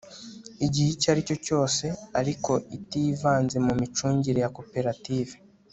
igihe icyo ari cyo cyose ariko itivanze mu micungire ya koperative